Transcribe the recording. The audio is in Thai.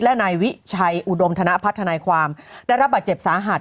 และในวิไชยอุดมธนาภัษฐนายความได้รับบาดเจ็บสาหัส